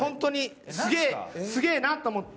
すごいなと思って。